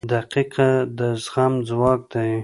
• دقیقه د زغم ځواک دی.